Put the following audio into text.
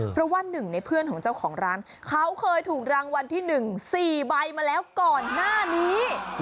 เพราะว่าหนึ่งในเพื่อนของเจ้าของร้านเขาเคยถูกรางวัลที่๑๔ใบมาแล้วก่อนหน้านี้